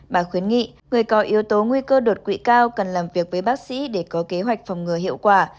bà khuyến nghị người có yếu tố nguy cơ đột quỵ cao cần làm việc với bác sĩ để có kế hoạch phòng ngừa hiệu quả